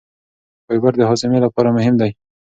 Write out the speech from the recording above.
فایبر د هاضمې لپاره مهم دی.